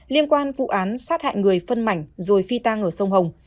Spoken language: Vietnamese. liên quan vụ án sát hại người phân mảnh rồi phi tang ở sông hồng